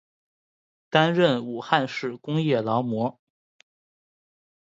担任武汉市工业劳模。